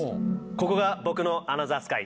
ここが僕のアナザースカイ！